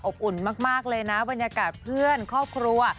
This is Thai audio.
อุ่นมากเลยนะบรรยากาศเพื่อนครอบครัว